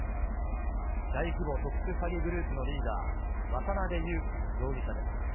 大規模特殊詐欺グループのリーダー、渡辺優樹容疑者です。